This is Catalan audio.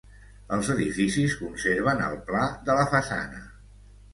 Els edificis conserven el pla de la façana.